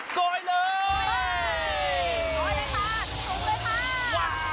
โสดเลย